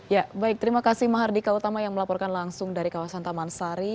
ya baik terima kasih mahardika utama yang melaporkan langsung dari kawasan taman sari